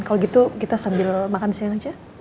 kalo gitu kita sambil makan siang aja